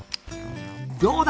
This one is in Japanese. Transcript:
どうだ？